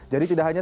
jadi tidak hanya